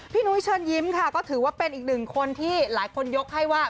นุ้ยเชิญยิ้มค่ะก็ถือว่าเป็นอีกหนึ่งคนที่หลายคนยกให้ว่า